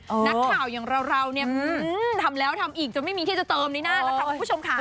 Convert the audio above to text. นะเก่าอย่างราวเนี่ยทำแล้วทำอีกไม่มีที่จะเติมด้วยนะค่ะผู้ชมขา